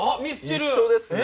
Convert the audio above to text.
一緒ですね。